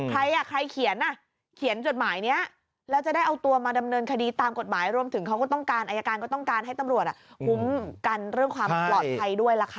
ใครอ่ะใครเขียนอ่ะเขียนจดหมายนี้